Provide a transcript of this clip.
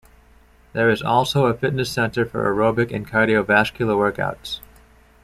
There is also a fitness center for aerobic and cardiovascular workouts.